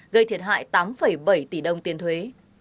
gây thiệt hại tám bảy tỷ đồng tiền thuế